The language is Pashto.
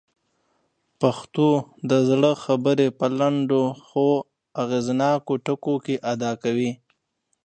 پښتو د زړه خبرې په لنډو خو اغېزناکو ټکو کي ادا کوي.